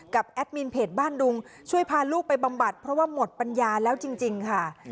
แอดมินเพจบ้านดุงช่วยพาลูกไปบำบัดเพราะว่าหมดปัญญาแล้วจริงค่ะ